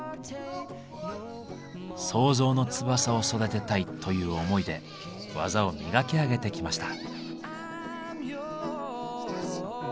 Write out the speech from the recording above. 「創造の翼を育てたい」という思いで技を磨き上げてきました。